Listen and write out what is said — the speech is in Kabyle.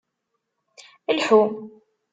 Lḥu.